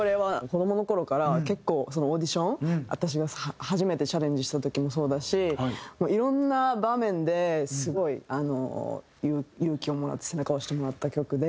子どもの頃から結構オーディション私が初めてチャレンジした時もそうだしいろんな場面ですごい勇気をもらって背中を押してもらった曲で。